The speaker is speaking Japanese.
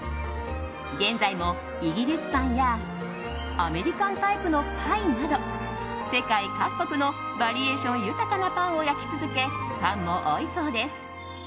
現在もイギリスパンやアメリカンタイプのパイなど世界各国のバリエーション豊かなパンを焼き続けファンも多いそうです。